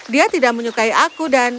dia tidak menyukai aku dan